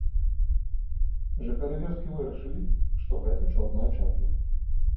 Жыхары вёскі вырашылі, што гэта чорная чапля.